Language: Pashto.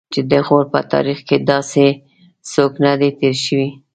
چې د غور په تاریخ کې داسې څوک نه دی تېر شوی.